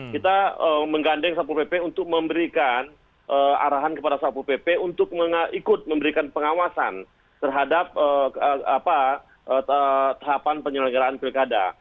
kita menggandeng satpol pp untuk memberikan arahan kepada sapu pp untuk ikut memberikan pengawasan terhadap tahapan penyelenggaraan pilkada